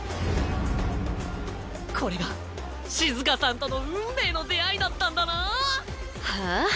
これがシズカさんとの運命の出会いだったんだなぁはあ？